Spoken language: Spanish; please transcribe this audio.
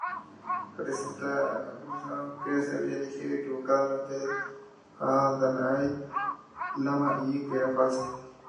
Pensaron que se había elegido equivocadamente al dalái lama y que era falso.